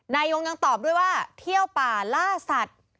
นายงยังตอบด้วยว่าเที่ยวป่าล่าสัตว์